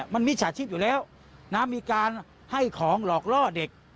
มันมิจฉาชีพอยู่แล้วนะมีการให้ของหลอกล่อเด็ก